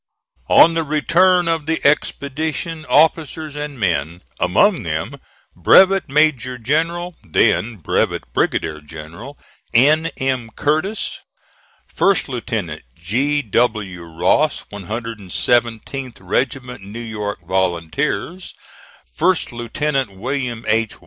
On the return of the expedition officers and men among them Brevet Major General (then Brevet Brigadier General) N. M. Curtis, First Lieutenant G. W. Ross, 117th Regiment New York Volunteers, First Lieutenant William H.